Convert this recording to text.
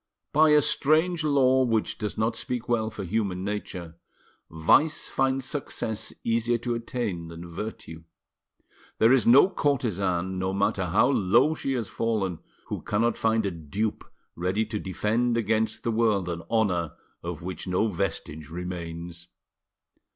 By a strange law which does not speak well for human nature, vice finds success easier to attain than virtue. There is no courtesan, no matter how low she has fallen, who cannot find a dupe ready to defend against the world an honour of which no vestige remains.